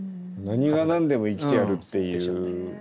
何が何でも生きてやるっていう。